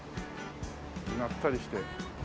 まったりして。